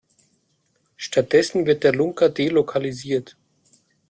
Stattdessen wird der Lunker delokalisiert.